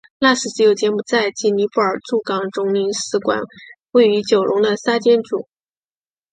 现时只有柬埔寨及尼泊尔驻港总领事馆位于九龙的尖沙咀。